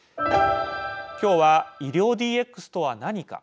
今日は医療ＤＸとは何か。